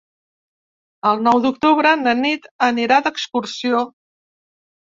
El nou d'octubre na Nit anirà d'excursió.